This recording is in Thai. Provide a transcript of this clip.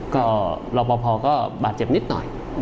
ก็รอปภก็บาดเจ็บนิดหน่อย